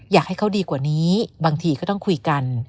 อยากให้เขาดีกว่านี้บางทีก็ต้องคุยกัน